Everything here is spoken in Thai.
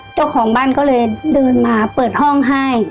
เจ้าของบ้านก็เลยเดินมาเปิดห้องให้